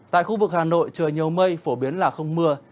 tại khu vực hà nội trời nhiều mây phổ biến là không mưa